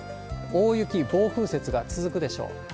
大雪、暴風雪が続くでしょう。